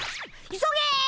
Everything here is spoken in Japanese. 急げ！